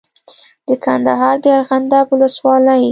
د کندهار د ارغنداب ولسوالۍ